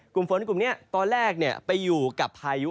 กลุ่มฝนกลุ่มนี้ตอนแรกไปอยู่กับพายุ